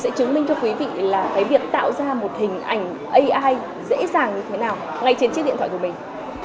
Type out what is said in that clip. sẽ chứng minh cho quý vị là cái việc tạo ra một hình ảnh ai dễ dàng như thế nào ngay trên chiếc điện thoại của mình